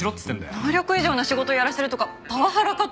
能力以上の仕事をやらせるとかパワハラかと。